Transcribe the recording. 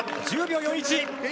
１０秒４１。